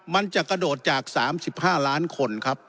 มันจะกระโดดจาก๓๕ล้านคนครับ